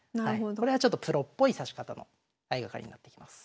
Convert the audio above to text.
これはちょっとプロっぽい指し方の相掛かりになってきます。